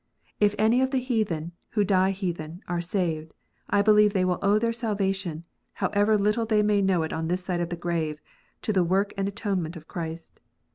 If any of the heathen, who die heathen, are saved, I believe they will owe their salvation, however little they may know it on this side of the grave, to the work and atonement of Christ.